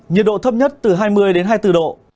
nhiệt độ thấp nhất từ hai mươi đến hai mươi bốn độ